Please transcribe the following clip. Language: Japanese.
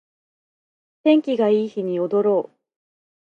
天気がいい日に踊ろう